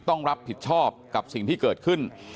ต้องรับผิดชอบกับสิ่งที่เกิดขึ้น